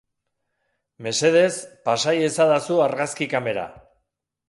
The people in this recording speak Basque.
Mesedez, pasa iezadazu argazki kamera.